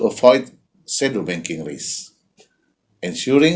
untuk mengelakkan risiko bank sejauh ini